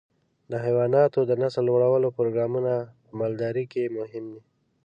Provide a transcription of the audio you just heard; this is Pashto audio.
د حيواناتو د نسل لوړولو پروګرامونه په مالدارۍ کې مهم دي.